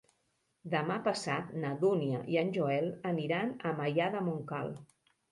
Demà passat na Dúnia i en Joel aniran a Maià de Montcal.